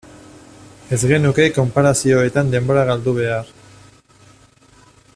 Ez genuke konparazioetan denbora galdu behar.